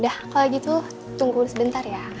dah kalau gitu tunggu sebentar ya